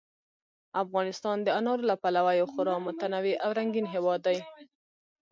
افغانستان د انارو له پلوه یو خورا متنوع او رنګین هېواد دی.